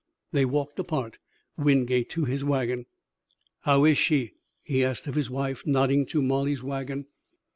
They walked apart, Wingate to his wagon. "How is she?" he asked of his wife, nodding to Molly's wagon.